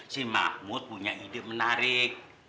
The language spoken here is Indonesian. si mahmud punya ide menarik